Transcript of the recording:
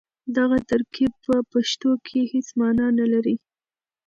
دغه ترکيب په پښتو کې هېڅ مانا نه لري.